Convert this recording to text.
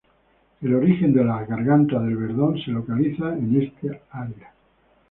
El origen de las gargantas del Verdon se localiza en esta era.